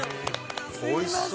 おいしそう。